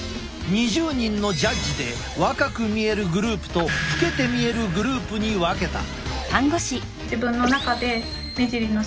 ２０人のジャッジで若く見えるグループと老けて見えるグループに分けた。